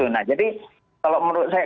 nah jadi kalau menurut saya